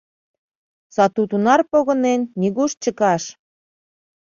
Сату тунар погынен — нигуш чыкаш.